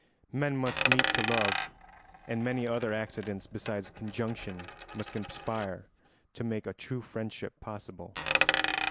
Men must meet to love, and many other accidents besides conjunction must conspire to make a true friendship possible.